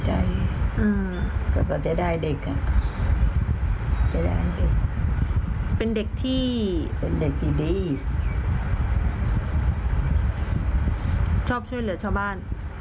ชอบช่วยเหลือชาวบ้าน